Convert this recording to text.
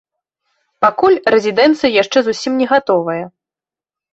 Пакуль рэзідэнцыя яшчэ зусім не гатовая.